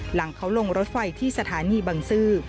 หลังเขาลงรถไฟที่สถานีบังซื้อ